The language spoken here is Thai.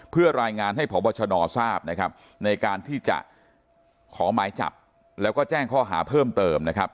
เพื่อรายงานให้พบชนทราบนะครับในการที่จะขอหมายจับแล้วก็แจ้งข้อหาเพิ่มเติมนะครับ